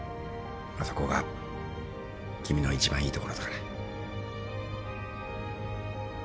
そこが君の一番いいところだから。